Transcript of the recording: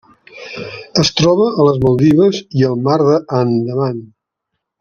Es troba a les Maldives i el Mar d'Andaman.